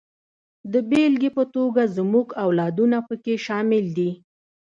د بېلګې په توګه زموږ اولادونه پکې شامل دي.